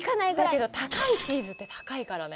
だけど高いチーズって高いからね。